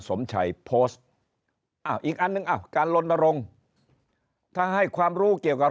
สมชัยโพสต์อีกอันนึงอัพการลดมาลงถ้าให้ความรู้เกี่ยวกับ